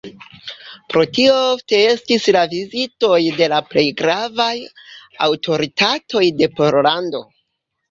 Pro tio ofte estis la vizitoj de la plej gravaj aŭtoritatoj de Pollando.